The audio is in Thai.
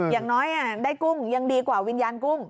อย่างน้อยได้กุ้งยังดีกว่าวิญญาณกุ้ง